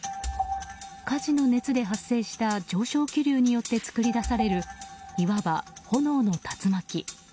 火事の熱で発生した上昇気流によって作り出されるいわば炎の竜巻。